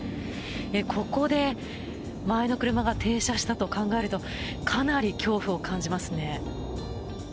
ここで前の車が停車したと考えるとかなり恐怖を感じますね。